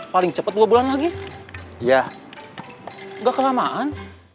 paling cepet dua bulan lagi ya enggak kelamaan